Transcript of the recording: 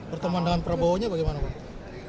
pertemuan dengan prabowo nya bagaimana pak